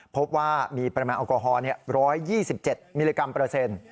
พบว่ามีปริมาณแอลกอฮอล๑๒๗มิลลิกรัมเปอร์เซ็นต์